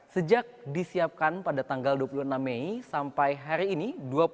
sejak disiapkan pada tanggal dua puluh enam mei sampai hari ini